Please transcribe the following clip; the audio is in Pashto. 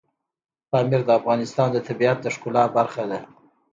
پامیر د افغانستان د طبیعت د ښکلا برخه ده.